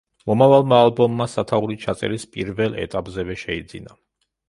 მომავალმა ალბომმა სათაური ჩაწერის პირველ ეტაპზევე შეიძინა.